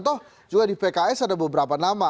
toh juga di pks ada beberapa nama